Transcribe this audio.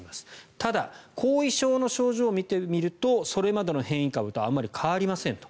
ただ、後遺症の症状を見てみるとそれまでの変異株とあまり変わりませんと。